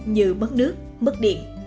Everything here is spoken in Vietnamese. như mất nước mất điện